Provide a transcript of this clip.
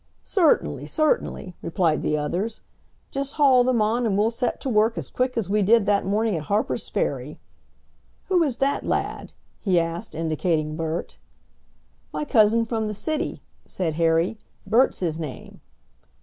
"Certainly, certainly!" replied the others. "Just haul them on, and we'll set to work as quick as we did that morning at Harper's Ferry. Who is this lad?" he asked, indicating Bert. "My cousin from the city," said Harry, "Bert's his name."